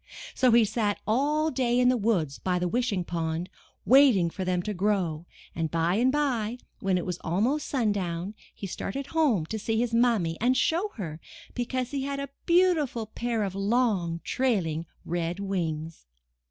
So he sat all day in the woods by the Wishing Pond waiting for them to grow, and, by and by, when it was almost sundown, he started home to see his Mammy and show her, be cause he had a beautiful pair of long, trailing red wings.